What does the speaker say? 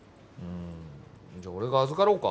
じゃあ俺が預かろうか？